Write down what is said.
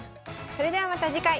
それではまた次回。